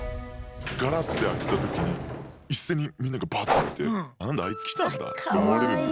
ガラッて開けた時に一斉にみんながバッと見て何だあいつ来たんだってかわいいね。